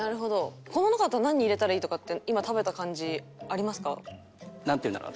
この中だったら何入れたらいいとかって今食べた感じありますか？なんていうんだろう